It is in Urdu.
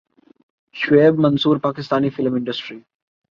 Shoaib Mansoor Pakistani film industry